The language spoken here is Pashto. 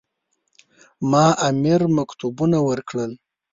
ما امیر مکتوبونه ورکړل.